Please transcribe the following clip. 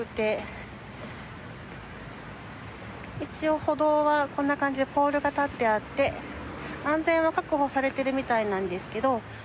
一応歩道はこんな感じでポールが立ってあって安全は確保されているみたいなんですけど。